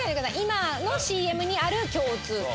今のＣＭにある共通点。